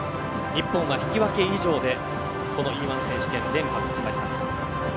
日本は引き分け以上でこのＥ‐１選手権連覇が決まります。